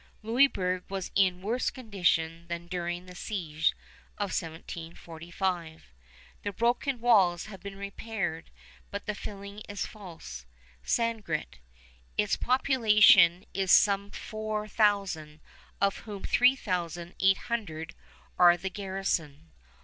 Louisburg was in worse condition than during the siege of 1745. The broken walls have been repaired, but the filling is false, sand grit. Its population is some four thousand, of whom three thousand eight hundred are the garrison.